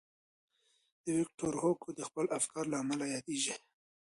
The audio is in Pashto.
ویکټور هوګو د خپلو افکارو له امله یادېږي.